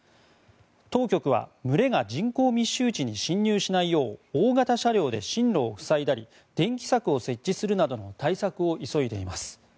当局は群れが人口密集地に侵入しないよう大型車両で進路を塞いだり電気柵を設置するなどの対策を急いでいます。